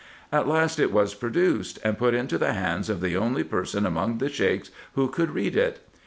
At last it was produced, and put into the hands of the only person among the Sheiks who could read it.